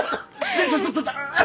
ちょちょちょちょ！